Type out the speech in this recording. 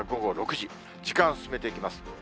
時間を進めていきます。